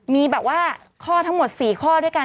มีแบบว่าข้อทั้งหมด๔ข้อด้วยกัน